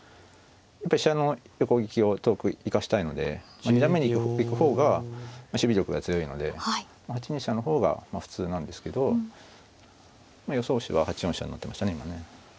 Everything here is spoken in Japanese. やっぱり飛車の横利きを遠く生かしたいので二段目に行く方が守備力が強いので８二飛車の方が普通なんですけど予想手は８四飛車になってましたね今ね。